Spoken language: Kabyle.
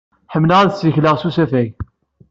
Ḥemmleɣ ad ssikleɣ s usafag.